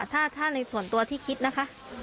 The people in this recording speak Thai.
ถ้าในส่วนตัวที่คิดนะคะ